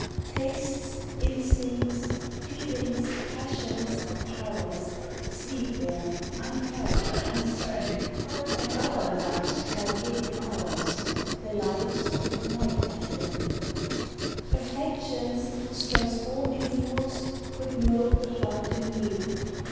Tastes, instincts, feelings, passions, powers, Sleep there, unfelt, unseen ; And other lives lie hid in ours — The lives that might have been ; Affections whose transforming force Could mould the heart anew ; LIFE.